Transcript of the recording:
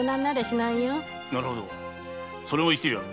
なるほどそれも一理ある。